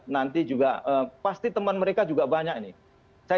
nanti juga pasti teman mereka juga banyak nih